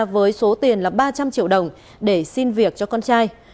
với số tiền là ba trăm linh triệu đồng để xin việc cho con trai